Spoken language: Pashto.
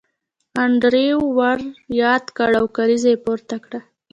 انډریو ور یاد کړ او کلیزه یې پورته کړه